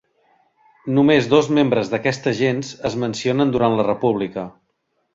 Només dos membres d'aquesta gens es mencionen durant la república.